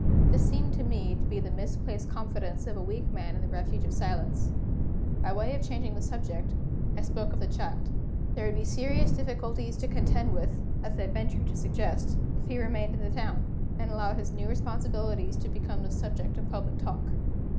This seemed to me to be the misplaced confidence of a weak man in the refuge of silence. By way of changing the subject, I spoke of the child. There would be serious difficulties to contend with (as I ventured to suggest), if he remained in the town, and allowed his new responsibilities to become the subject of public talk.